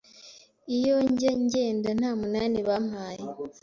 iyo njya ngenda nta munani bampaye